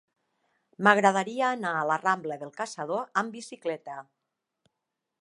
M'agradaria anar a la rambla del Caçador amb bicicleta.